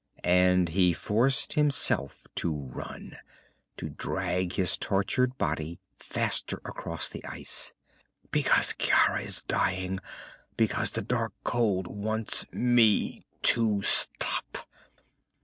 And he forced himself to run, to drag his tortured body faster across the ice. _Because Ciara is dying, because the dark cold wants me to stop....